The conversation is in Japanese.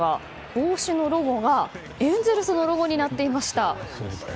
帽子のロゴが、エンゼルスのロゴになっていました。